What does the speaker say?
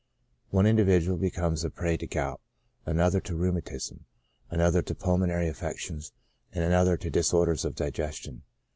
One individual becomes a prey to gout, another to rheumatism, another to pulmonary affections, and another to disorders of digestion.